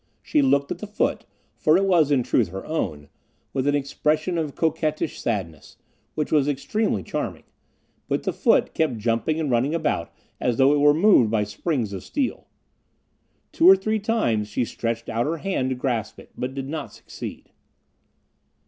She looked at the foot, for it was in truth her own, with an expression of coquettish sadness, which was extremely charming; but the foot kept jumping and running about as though it were moved by springs of steel. Two or three times she stretched out her hand to grasp it, but did not succeed.